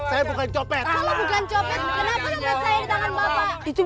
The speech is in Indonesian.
saya bukan jepet